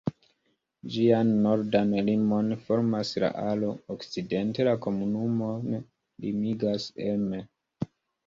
Ĝian nordan limon formas la Aro, okcidente la komunumon limigas Emme.